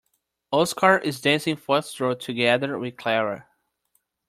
Oscar is dancing foxtrot together with Clara.